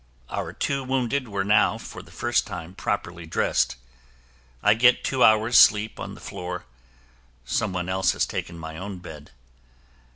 Our two wounded were now, for the first time, properly dressed. I get two hours sleep on the floor; some one else has taken my own bed.